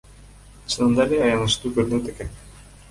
Чынында эле аянычтуу көрүнөт экен.